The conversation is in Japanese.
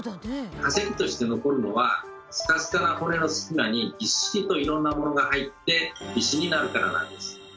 化石として残るのはスカスカな骨の隙間にぎっしりといろんなものが入って石になるからなんです。